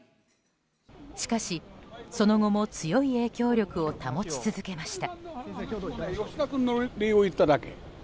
しかし、その後も強い影響力を保ち続けました。